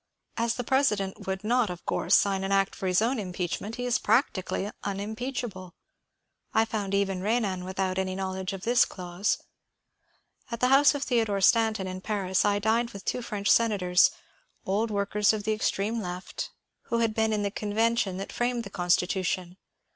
As the President would not of course sign an act for his own impeachment, he is practically unimpeachable. I found even Renan without any knowledge of this clause. At the house of Theodore Stanton, in Paris, I dined with two French sen ators, old workers of the extreme Left, who had been in the 268 MONCURE DANIEL CONWAY CoDTention (hat framed the Constitation.